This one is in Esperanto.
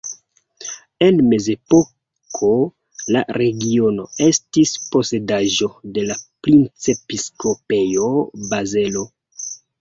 En mezepoko la regiono estis posedaĵo de la Princepiskopejo Bazelo.